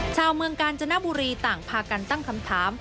ชาวเมืองกาญจนบุรีต่างพากันตั้งคำถาม